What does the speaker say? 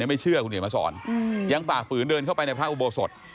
ไม่เชื่อคุณเหนียวมาสอนยังฝ่าฝืนเดินเข้าไปในพระอุโบสถ